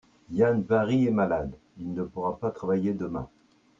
Yann-Vari est malade, il ne pourra pas travailler demain.